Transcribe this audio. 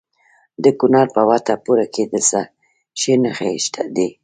د کونړ په وټه پور کې د څه شي نښې دي؟